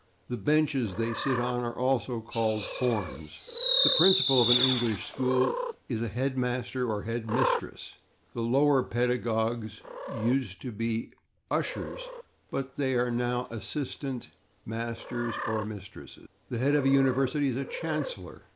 The benches they sit on are also called /forms/. The principal of an English school is a /head master/ or /head mistress/; the lower pedagogues used to be /ushers/, but are now /assistant masters/ (or /mistresses/). The head of a university is a /chancellor